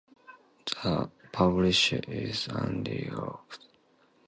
The publisher is Andy Oakes.